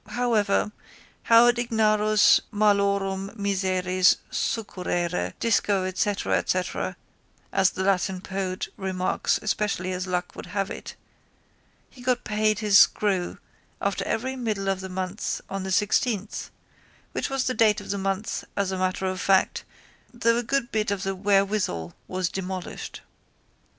However haud ignarus malorum miseris succurrere disco etcetera as the Latin poet remarks especially as luck would have it he got paid his screw after every middle of the month on the sixteenth which was the date of the month as a matter of fact though a good bit of the wherewithal was demolished.